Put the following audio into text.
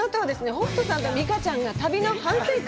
北斗さんと美佳ちゃんが旅の反省会？